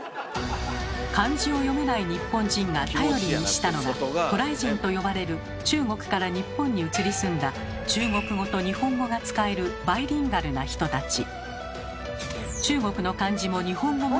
漢字を読めない日本人が頼りにしたのが「渡来人」と呼ばれる中国から日本に移り住んだ中国語と日本語が使えるバイリンガルな人たち。